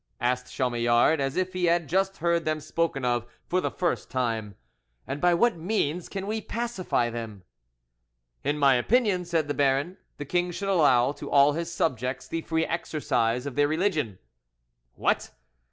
asked Chamillard, as if he had just heard them spoken of for the first time, "and by what means can we pacify them?" "In my opinion," said the baron, "the king should allow to all his subjects the free exercise of their religion." "What!